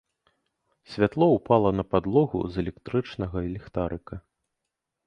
Святло ўпала на падлогу з электрычнага ліхтарыка.